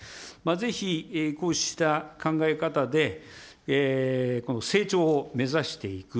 ぜひ、こうした考え方で、この成長を目指していく。